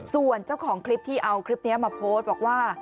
ส่วนเจ้าของคลิปที่เอาคลิปนี้มาโพสต์บอกว่า